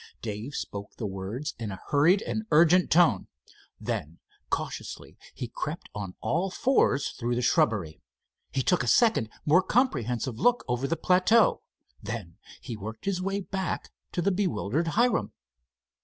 Dave spoke the words in a hurried and urgent tone. Then, cautiously, he crept on all fours through the shrubbery. He took a second more comprehensive look over the plateau. Then he worked his way back to the bewildered Hiram.